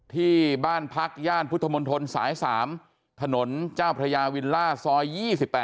ที่บ้านพักย่านพุทธมนตรสาย๓ถนนเจ้าพระยาวิลล่าซอย๒๘